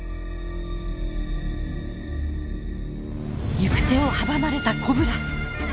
行く手を阻まれたコブラ。